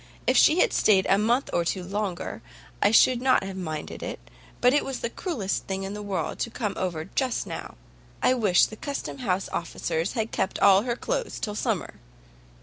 If she had stayed a month or two longer, I should not have minded it, but it was the cruellest thing in the world to come over just now. I wish the Custom house officers had kept all her cloaths till summer."